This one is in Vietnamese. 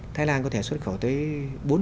thái lan có thể xuất khẩu tới